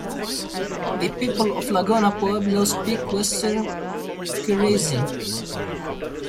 The people of Laguna Pueblo speak Western Keresan.